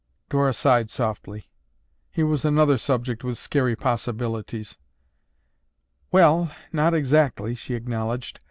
Dora sighed softly. Here was another subject with scary possibilities. "Well, not exactly," she acknowledged.